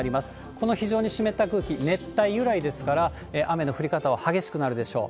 この非常に湿った空気、熱帯由来ですから、雨の降り方は激しくなるでしょう。